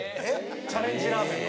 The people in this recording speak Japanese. チャレンジラーメンの。